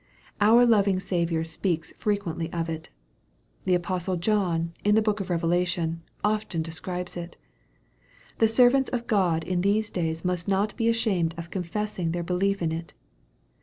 Our loving Saviour speaks frequently of it. The apostle John, in the book of Revelation, often de scribes it. The servants of God in these days must not be ashamed of confessing their belief in it.